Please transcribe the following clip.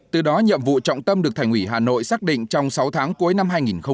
từ đó nhiệm vụ trọng tâm được thành ủy hà nội xác định trong sáu tháng cuối năm hai nghìn hai mươi